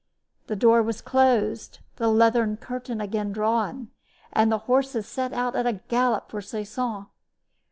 The door was closed, the leathern curtain again drawn, and the horses set out at a gallop for Soissons.